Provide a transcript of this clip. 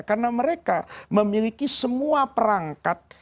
karena mereka memiliki semua perangkat